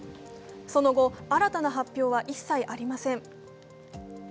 その後、新たな発表は一切ありません。